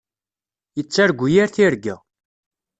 Yettargu yir tirga.